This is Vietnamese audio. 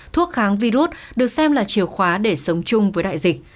thuốc kháng virus được xem là chìa khóa để sống chung với đại dịch